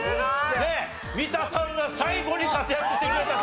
三田さんが最後に活躍してくれた。